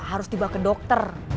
harus dibawa ke dokter